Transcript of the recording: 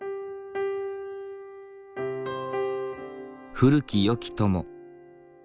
古き良き友。